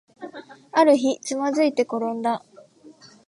ある日、つまずいてころんだ